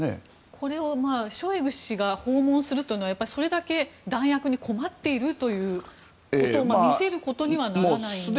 これをショイグ氏が訪問するというのはそれだけ弾薬に困っているということも見せることにはならないんですか。